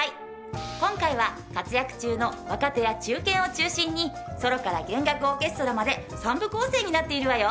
今回は活躍中の若手や中堅を中心にソロから弦楽オーケストラまで３部構成になっているわよ。